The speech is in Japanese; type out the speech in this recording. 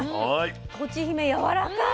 とちひめやわらかい。